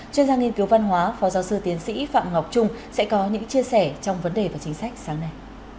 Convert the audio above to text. chuyên gia nghiên cứu văn hóa phó giáo sư tiến sĩ phạm ngọc trung sẽ có những chia sẻ trong vấn đề và chính sách sáng nay